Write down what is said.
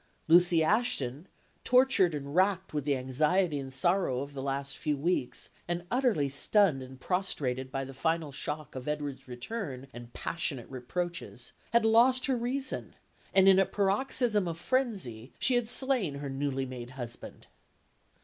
Lucy Ashton, tortured and racked with the anxiety and sorrow of the last few weeks, and utterly stunned and prostrated by the final shock of Edgar's return and passionate reproaches, had lost her reason; and in a paroxysm of frenzy, she had slain her newly made husband.